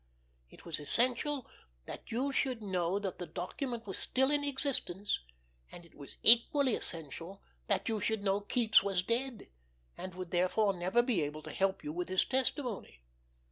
It was essential that you should know that the document was still in existence, and it was equally essential that you should know Keats was dead and would therefore never be able to help you with his testimony.